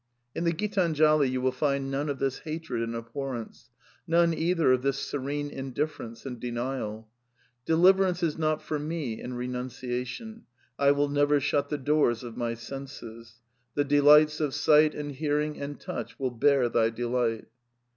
In the Gitanjali you will find none of this hatred and abhorrence, none, either, of this serene indifference and denial. "Deliverance is not for me in renunciation." ... "I will never shut the doors of my senses. The delights of sight and hearing and touch will bear ihy delight.''